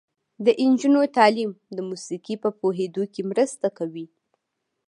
د نجونو تعلیم د موسیقۍ په پوهیدو کې مرسته کوي.